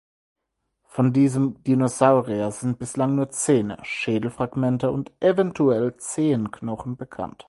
Von diesem Dinosaurier sind bislang nur Zähne, Schädelfragmente und eventuell Zehenknochen bekannt.